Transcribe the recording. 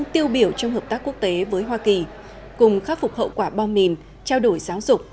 trong hợp tác quốc tế với hoa kỳ cùng khắc phục hậu quả bom mìm trao đổi giáo dục